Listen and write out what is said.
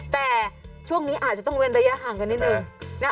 แต่ช่วงนี้อาจจะต้องเว้นระยะห่างกันนิดนึง